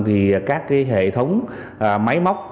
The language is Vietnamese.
thì các hệ thống máy móc